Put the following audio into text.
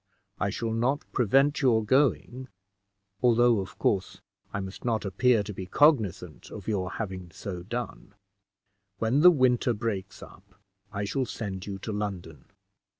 I shall not prevent your going, although, of course, I must not appear to be cognizant of your having so done. When the winter breaks up I shall send you to London.